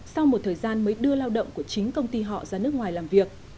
sau một thời gian mới đưa lao động của chính công ty họ ra nước ngoài làm việc